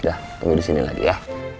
udah tunggu disini lagi ya